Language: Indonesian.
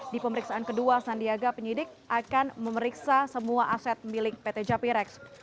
di pemeriksaan kedua sandiaga penyidik akan memeriksa semua aset milik pt japirex